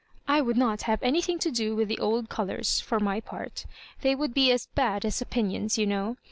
I would not have anything to do with the old colours, for I my part — they would be as bad as opinions, you know.